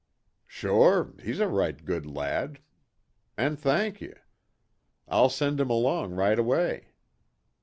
"Sure, he's a right good lad an' thankee. I'll send him along right away."